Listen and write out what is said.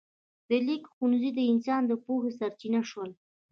د لیک ښوونځي د انسان د پوهې سرچینه شول.